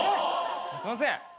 すいません。